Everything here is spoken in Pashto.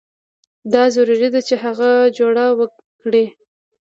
دا ضروري ده چې هغه جوړه وکړي.